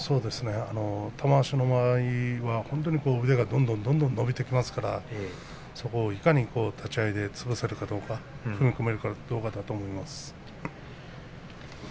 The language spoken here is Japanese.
玉鷲の場合腕がどんどん伸びてきますからそれを、いかに立ち合いで潰せるかどうかというところだと思います。